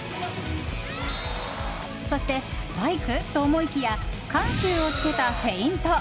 そして、スパイクと思いきや緩急をつけたフェイント！